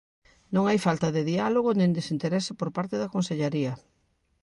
"Non hai falta de diálogo nin desinterese por parte da Consellaría".